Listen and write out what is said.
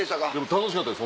楽しかったです